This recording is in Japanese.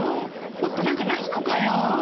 もっとなんかないのかよ。